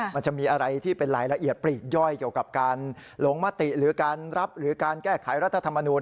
มันจะมีอะไรที่เป็นรายละเอียดปลีกย่อยเกี่ยวกับการลงมติหรือการรับหรือการแก้ไขรัฐธรรมนูล